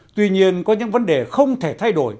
tuy nhiên có những vấn đề không thể thay đổi